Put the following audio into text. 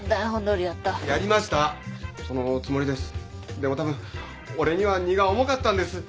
でもたぶん俺には荷が重かったんです。